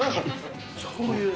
そういうね。